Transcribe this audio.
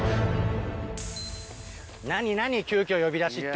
何々、急きょ、呼び出しって。